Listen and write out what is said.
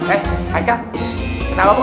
eh haikal kenapa bro